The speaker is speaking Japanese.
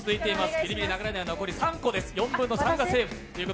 ビリビリ流れないものは残り３個です。